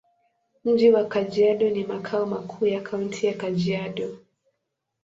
Mji wa Kajiado ni makao makuu ya Kaunti ya Kajiado.